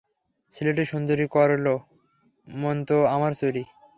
সিলেটি সুন্দরী করলো মনতো আমার চুরি।